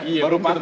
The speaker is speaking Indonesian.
iya baru pakai